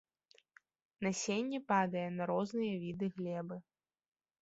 Насенне падае на розныя віды глебы.